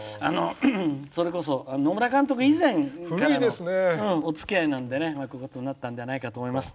それこそ、野村監督以前からのおつきあいなのでこういうことになったんじゃないかと思います。